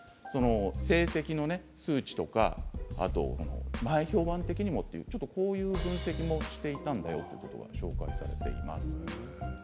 成績の数値とか前評判的にもこういう分析もしていたんだよということを紹介しています。